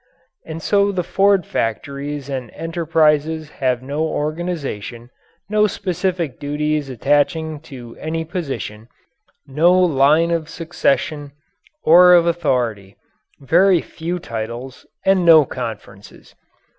And so the Ford factories and enterprises have no organization, no specific duties attaching to any position, no line of succession or of authority, very few titles, and no conferences.